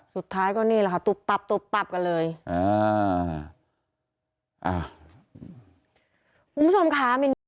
สุดท้ายก็นี่แหละค่ะตุ๊บปั๊บตุ๊บปั๊บกันเลยอ่าอ่า